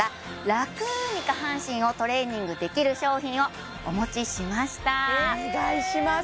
ラクに下半身をトレーニングできる商品をお持ちしましたお願いします